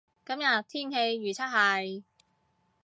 今日天氣預測係